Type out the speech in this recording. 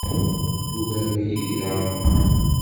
Tugarem-iyi deg leɛmeṛ.